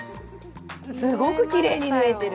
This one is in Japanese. すごくきれいに縫えてる。